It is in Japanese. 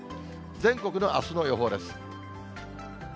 全国のあすの予報です。